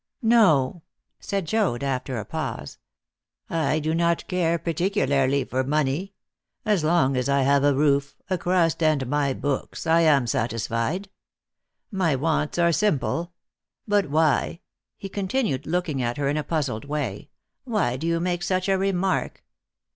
"No," said Joad, after a pause; "I do not care particularly for money. As long as I have a roof, a crust, and my books, I am satisfied. My wants are simple. But why," he continued, looking at her in a puzzled way, "why do you make such a remark?"